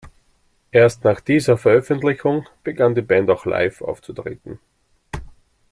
Erst nach dieser Veröffentlichung begann die Band auch live aufzutreten.